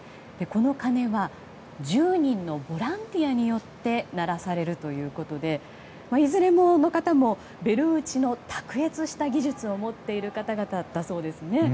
この鐘は１０人ボランティアによって鳴らされるということでいずれの方もベル打ちの卓越した技術を持っている方だそうですね。